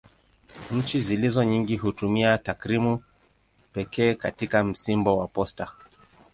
Nchi zilizo nyingi hutumia tarakimu pekee katika msimbo wa posta.